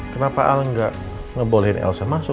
kenapa al gak ngebolehin elsa masuk